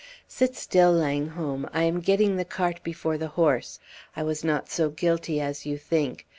Sit still, Langholm! I am getting the cart before the horse. I was not so guilty as you think.